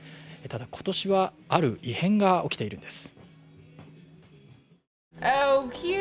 今年はある異変が起きているんです